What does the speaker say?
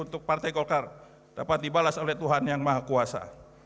untuk partai golkar dapat dibalas oleh tuhan yang maha kuasa